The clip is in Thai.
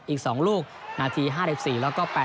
อีก๒ลูกนาที๕๔แล้วก็๘